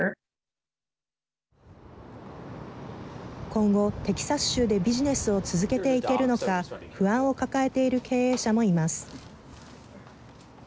今後、テキサス州でビジネスを続けていけるのか不安を抱えている経営者もいます。